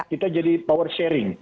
kita jadi power sharing